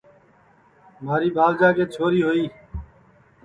مھارے بھاوجا کی چھوڑی ہوئی ہے